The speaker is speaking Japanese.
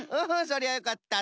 そりゃよかった！